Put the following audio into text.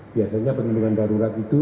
biasanya perlindungan darurat itu